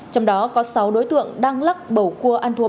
trong đó có sáu đối tượng đang lắc bầu cua ăn thua